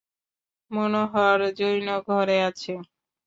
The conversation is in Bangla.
মনোহর যৈন ঘরে আছে?